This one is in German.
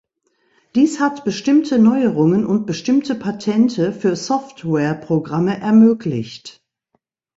Dies hat bestimmte Neuerungen und bestimmte Patente für Softwareprogramme ermöglicht.